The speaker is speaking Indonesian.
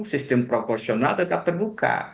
sistem proporsional tetap terbuka